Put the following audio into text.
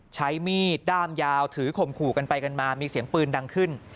ใช้มีดด้ามยาวถือข่มขู่กันไปกันมามีเสียงปืนดังขึ้น